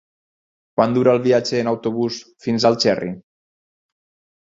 Quant dura el viatge en autobús fins a Algerri?